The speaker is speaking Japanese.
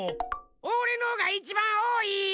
おれのがいちばんおおい！